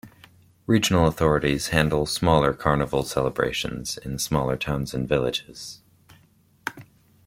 Regional authorities handle smaller Carnival celebrations in smaller towns and villages.